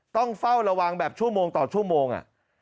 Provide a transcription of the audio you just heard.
ต้องเฝ้าระวังแบบชั่วโมงต่อชั่วโมง